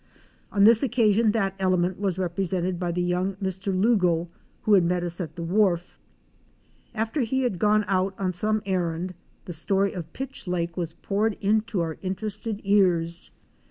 On this occasion that element was represented by the young Mr. Lugo who had met us at the wharf. After he had gone out on some errand the story of Pitch Lake was poured into our inter ested ears.